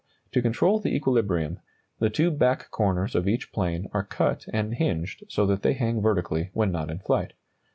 To control the equilibrium, the two back corners of each plane are cut and hinged so that they hang vertically when not in flight.